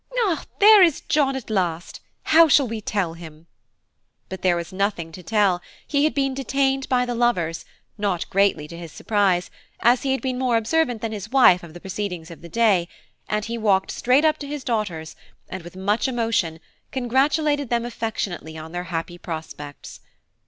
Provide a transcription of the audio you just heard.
Ah! there is John at last, how shall we tell him?" But there was nothing to tell; he had been detained by the lovers, not greatly to his surprise, as he had been more observant than his wife of the proceedings of the day, and he walked straight up to his daughters, and, with much emotion, congratulated them affectionately on their happy prospects.